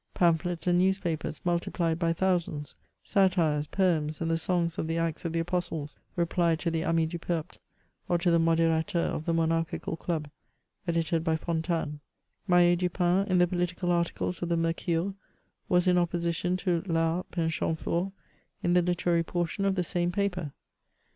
Pamphlets and newspapers multiplied by thousands ; satires, poems, and the songs of the Acts of the Apostles replied to the Ami du Peuple, or to the Moderateur of the Monarchical Club, edited by Fontanes ; Mallet Dupan, in the political articles of the Mercure, was 'in opposition to Laharpe and Chamfort in the literary portion of the same paper.